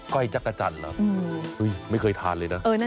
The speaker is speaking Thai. ้อยจักรจันทร์เหรอไม่เคยทานเลยนะ